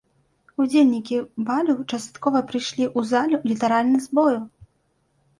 Удзельнікі балю часткова прыйшлі ў залю літаральна з бою!